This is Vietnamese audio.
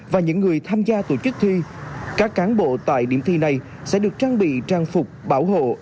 và những người tham gia tổ chức thi các cán bộ tại điểm thi này sẽ được trang bị trang phục bảo hộ